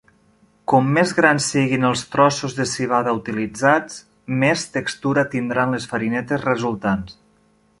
Com més grans siguin els trossos de civada utilitzats, més textura tindran les farinetes resultants.